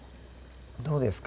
どうですか？